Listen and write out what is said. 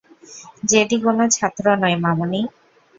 JD কোনো ছাত্র নয়, মামনি।